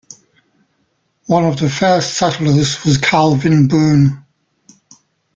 One of the first settlers was Calvin Boone.